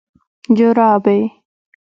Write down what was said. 🧦جورابي